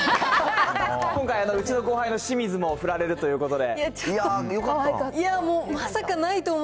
今回、うちの後輩の清水も振られるということで。